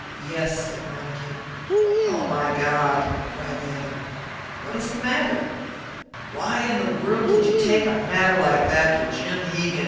"Yes," said Montague. "Oh, my God!" cried the other. "What is the matter?" "Why in the world did you take a matter like that to Jim Hegan?"